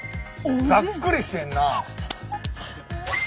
ざっくりしてるなあ。